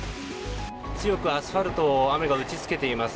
強くアスファルトを雨が打ち付けています。